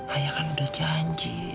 ayah kan udah janji